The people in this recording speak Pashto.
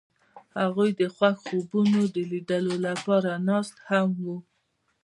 هغوی د خوښ خوبونو د لیدلو لپاره ناست هم وو.